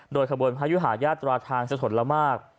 โดยขบวนพระยุหาญาตราทางสถนละมาก